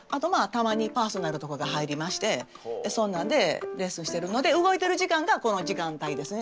たまにパーソナルとかが入りましてそんなんでレッスンしてるので動いてる時間がこの時間帯ですね。